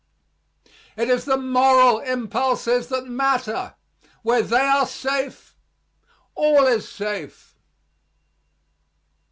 It is the moral impulses that matter. Where they are safe, all is safe.